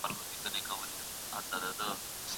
وچاوداوه لاس يې تش سو